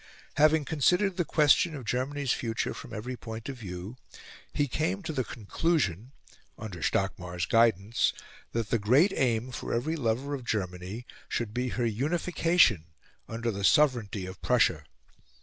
Having considered the question of Germany's future from every point of view, he came to the conclusion, under Stockmar's guidance, that the great aim for every lover of Germany should be her unification under the sovereignty of Prussia.